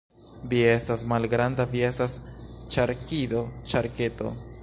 Vi estas malgranda. Vi estas ŝarkido. Ŝarketo.